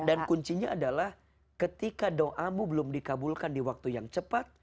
dan kuncinya adalah ketika doamu belum dikabulkan di waktu yang cepat